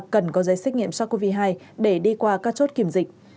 đưa xét nghiệm sars cov hai để đi qua các chốt kiểm dịch